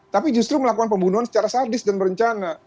tapi justru melakukan pembunuhan secara sadis dan berencana